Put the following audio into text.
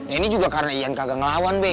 ini juga karena ian kagak ngelawan be